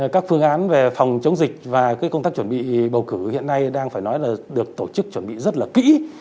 các phương án về phòng chống dịch và công tác chuẩn bị bầu cử hiện nay đang phải nói là được tổ chức chuẩn bị rất là kỹ